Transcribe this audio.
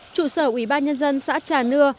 chủ sở ủy ban nhân dân xã trà nưa